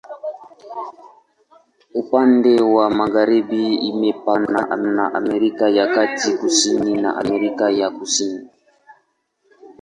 Upande wa magharibi imepakana na Amerika ya Kati, kusini na Amerika ya Kusini.